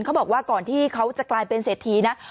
เขาบอกว่าก่อนที่เขาจะกลายเป็นเศรษฐีนะ